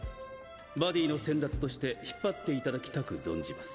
バディの先達として引っ張って頂きたく存じます。